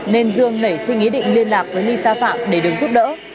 nên dương nảy sinh ý định liên lạc với lisa phạm để được giúp đỡ